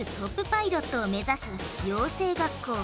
パイロットを目指す養成学校。